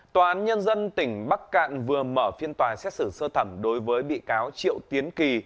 tòa án nhân dân tỉnh bắc cạn vừa mở phiên tòa xét xử sơ thẩm đối với bị cáo triệu tiến kỳ